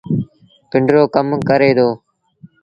پنڊرو ڪم ڪري دو۔